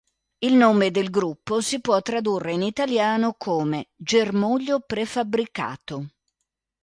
Il nome del gruppo si può tradurre in italiano come "germoglio prefabbricato".